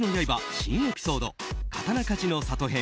新エピソード「刀鍛冶の里編」